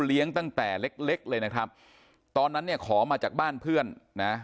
ตั้งแต่เล็กเล็กเลยนะครับตอนนั้นเนี่ยขอมาจากบ้านเพื่อนนะ